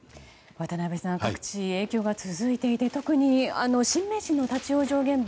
渡辺さん各地、影響が続いていて特に新名神の立ち往生現場